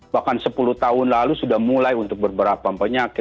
bahkan sepuluh tahun lalu sudah mulai untuk beberapa penyakit